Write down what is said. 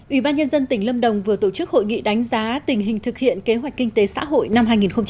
ủy ban nhân dân tỉnh lâm đồng vừa tổ chức hội nghị đánh giá tình hình thực hiện kế hoạch kinh tế xã hội năm hai nghìn một mươi chín